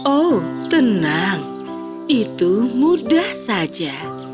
oh tenang itu mudah saja